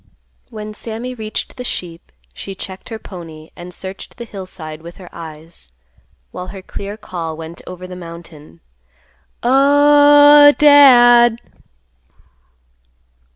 When Sammy reached the sheep, she checked her pony, and searched the hillside with her eyes, while her clear call went over the mountain, "Oh—h—h—Dad!"